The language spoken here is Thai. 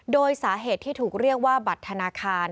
โดยสาเหตุที่ถูกเรียกว่าบัตรธนาคาร